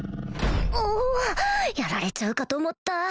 おおぅやられちゃうかと思った